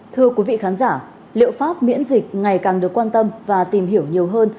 thưa quý vị khán giả liệu pháp miễn dịch ngày càng được quan tâm và tìm hiểu nhiều hơn